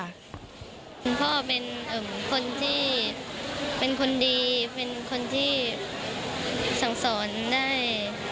คุณพ่อเป็นคนที่เป็นคนดีเป็นคนที่สั่งสอนได้